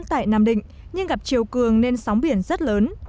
tại nam định nhưng gặp chiều cường nên sóng biển rất lớn